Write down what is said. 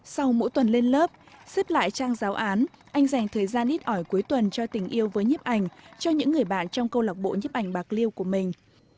sau mỗi tuần lên lớp xếp lại trang giáo án anh dành thời gian ít ỏi cuối tuần cho tình yêu với nhiếp ảnh cho những người bạn trong câu lạc bộ nhiếp ảnh bạc liêu của mình